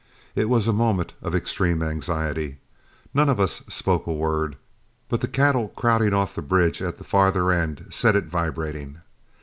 It was a moment of extreme anxiety. None of us spoke a word, but the cattle crowding off the bridge at the farther end set it vibrating.